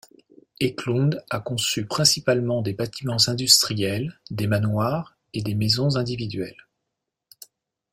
Eklund a conçu principalement des bâtiments industriels, des manoirs et des maisons individuelles.